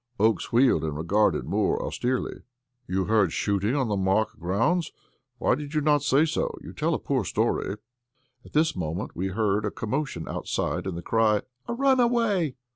Oakes wheeled and regarded Moore austerely. "You heard shooting on the Mark grounds? Why did you not say so? You tell a poor story." At this moment we heard a commotion outside, and the cry: "A runaway!"